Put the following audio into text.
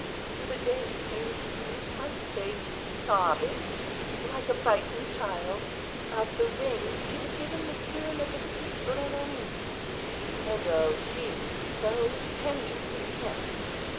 The other day he came to her, white faced, sobbing like a frightened child, about the ring she had given Monsieur le petit grenouille. And oh, she was so tender with him.